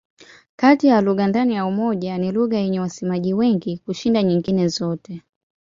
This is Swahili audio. Kati ya lugha ndani ya Umoja ni lugha yenye wasemaji wengi kushinda nyingine zote.